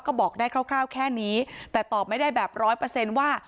ก็บอกได้คร่าวแค่นี้แต่ตอบไม่ได้แบบร้อยเปอร์เซ็นต์ว่า